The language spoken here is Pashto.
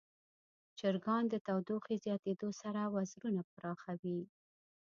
چرګان د تودوخې زیاتیدو سره وزرونه پراخوي.